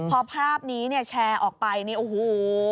พอภาพนี้แชร์ออกไปโอ้โฮ